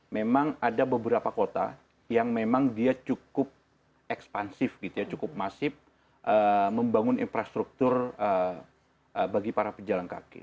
memang ada beberapa kota yang memang dia cukup ekspansif gitu ya cukup masif membangun infrastruktur bagi para pejalan kaki